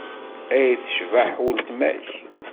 Ay tecbeḥ uletma-k!